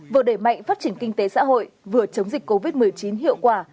vừa đẩy mạnh phát triển kinh tế xã hội vừa chống dịch covid một mươi chín hiệu quả